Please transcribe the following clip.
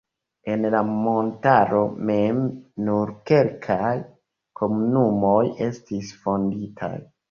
En la montaro mem nur kelkaj komunumoj estis fonditaj.